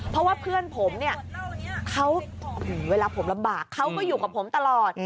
เพราะว่าเพื่อนผมเนี่ยเขาเวลาผมลำบากเขาก็อยู่กับผมตลอด